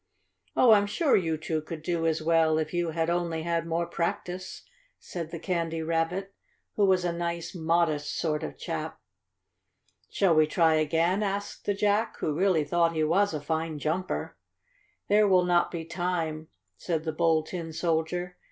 "Oh, I'm sure you two could do as well if you had only had more practice," said the Candy Rabbit, who was a nice, modest sort of chap. "Shall we try it again?" asked the Jack, who really thought he was a fine jumper. "There will not be time," said the Bold Tin Soldier.